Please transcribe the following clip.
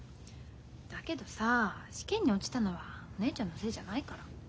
だけどさ試験に落ちたのはお姉ちゃんのせいじゃないから。